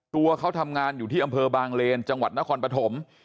ตัวเขาทำงานอยู่ที่อำเภอบางเลนจังหวัดนครปฐม